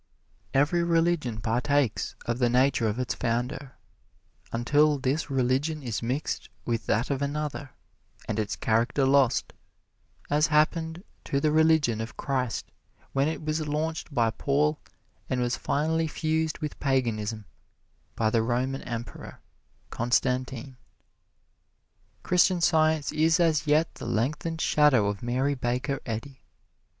Every religion partakes of the nature of its founder, until this religion is mixed with that of another and its character lost, as happened to the religion of Christ when it was launched by Paul and was finally fused with Paganism by the Roman Emperor, Constantine. Christian Science is as yet the lengthened shadow of Mary Baker Eddy.